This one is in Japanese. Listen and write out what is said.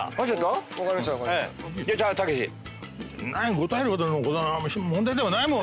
答えるほどの問題ではないもん！